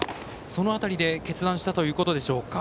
その辺りで決断したということでしょうか。